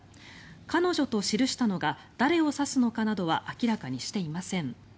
彼女と記したのが誰を指すのかなどは明らかにしていません。